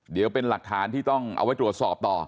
เดี๋ยวเป็นหลักฐานที่ต้องเอาไว้ตรวจสอบต่อ